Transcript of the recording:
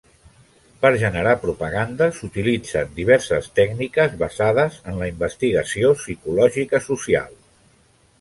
Per generar propaganda s'utilitzen diverses tècniques basades en la investigació psicològica social.